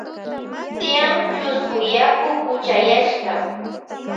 Tyan chusku yaku kuchayashka.